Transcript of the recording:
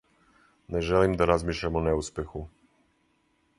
Не желим да размишљам о неуспеху...